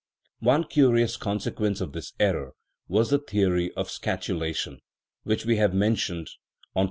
One curious consequence of this error was the theory of scatulation, which we have mentioned on p.